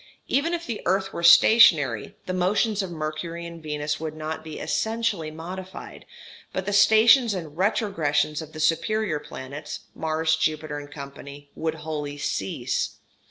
Even if the earth were stationary, the motions of Mercury and Venus would not be essentially modified, but the stations and retrogressions of the superior planets, Mars, Jupiter, &c., would wholly cease.